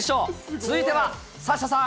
続いては、サッシャさん。